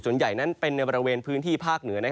ส่วนใหญ่นั้นเป็นในบริเวณพื้นที่ภาคเหนือ